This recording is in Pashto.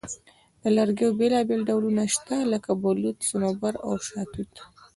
د لرګیو بیلابیل ډولونه شته، لکه بلوط، صنوبر، او شاهتوت.